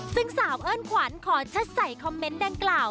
ซึ่งสาวเอิ้นขวัญขอชัดใส่คอมเมนต์ดังกล่าว